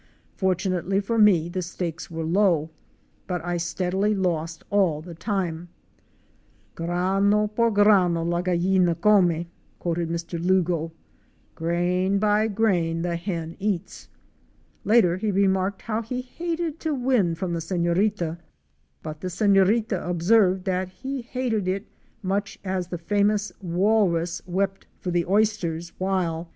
Fortunately for me, the stakes were low, for I steadily lost all the time. '' Grano ) por grano la gallina come," quoted Mr. Lugo, —" grain by grain the hen eats." Later he remarked how he hated to win from the sefiorita — but the sefiorita observed that he hated it much as the famous walrus wept for the oysters while —"«..